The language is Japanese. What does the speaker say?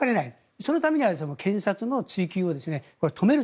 そのためには検察の追及を止める。